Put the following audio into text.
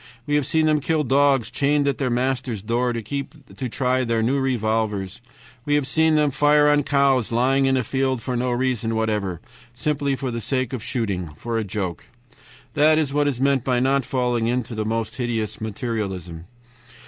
We have seen them kill dogs chained at their masters' doors to try their new revolvers, we have seen them fire on cows lying in a field for no reason whatever, simply for the sake of shooting, for a joke. "That is what is meant by not falling into the most hideous materialism.